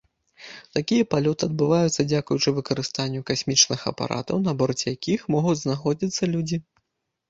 Такія палёты адбывацца, дзякуючы выкарыстанню касмічных апаратаў, на борце якіх могуць знаходзіцца людзі.